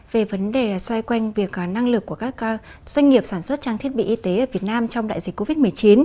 về vấn đề xoay quanh việc năng lực của các doanh nghiệp sản xuất trang thiết bị y tế ở việt nam trong đại dịch covid một mươi chín